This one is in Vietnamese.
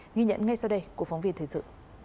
nghi nhận ngay sau đây của phóng viên thời sự